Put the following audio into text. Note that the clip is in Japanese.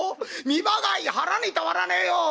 見栄がいい腹にたまらねえよ。